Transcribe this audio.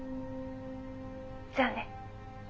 じゃあね。